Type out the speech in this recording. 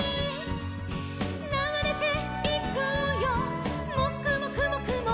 「ながれていくよもくもくもくも」